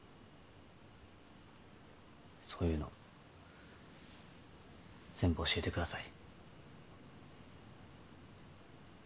そういうの全部教えてください。